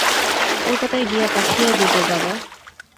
কলকাতায় গিয়া পাঠিয়ে দেব বাবা।